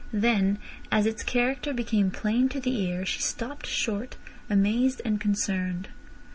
Then as its character became plain to the ear she stopped short, amazed and concerned.